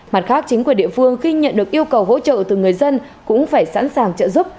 mặt khác chính quyền địa phương khi nhận được yêu cầu hỗ trợ từ người dân cũng phải sẵn sàng trợ giúp